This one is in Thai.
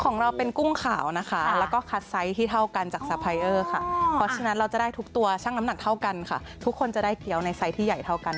ของเราเป็นกุ้งขาวนะคะแล้วก็คัดไซส์ที่เท่ากันจากสะพายเออร์ค่ะเพราะฉะนั้นเราจะได้ทุกตัวช่างน้ำหนักเท่ากันค่ะทุกคนจะได้เกี้ยวในไซส์ที่ใหญ่เท่ากัน